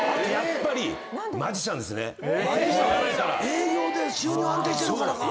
営業で収入安定してるからか。